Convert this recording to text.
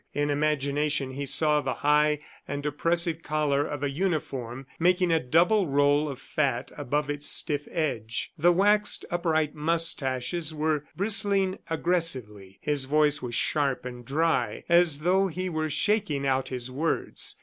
In imagination he saw the high and oppressive collar of a uniform making a double roll of fat above its stiff edge. The waxed, upright moustaches were bristling aggressively. His voice was sharp and dry as though he were shaking out his words.